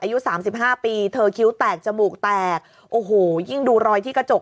อายุสามสิบห้าปีเธอคิ้วแตกจมูกแตกโอ้โหยิ่งดูรอยที่กระจก